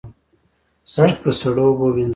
سترګې په سړو اوبو وینځئ